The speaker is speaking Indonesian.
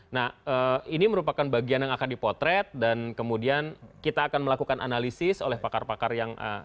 nah ini merupakan bagian yang akan dipotret dan kemudian kita akan melakukan analisis oleh pakar pakar yang